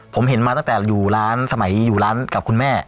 ผมเห็นมาตั้งแต่อยู่ร้านสมัยอยู่ร้านกับคุณแม่